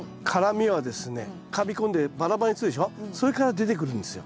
それから出てくるんですよ。